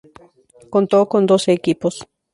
Contó con doce equipos.